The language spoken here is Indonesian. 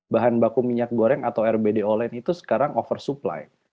bahan baku minyak goreng atau rbd olen itu sekarang oversupply